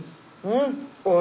うん。